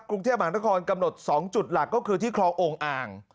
กรุงเทพมหานครกำหนด๒จุดหลักก็คือที่คลองโอ่งอ่าง